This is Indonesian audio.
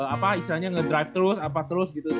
apa istilahnya ngedrive terus apa terus gitu